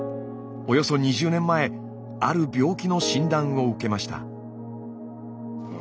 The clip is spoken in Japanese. およそ２０年前ある病気の診断を受けました。